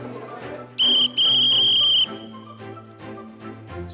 seandainya saja dia bisa memasak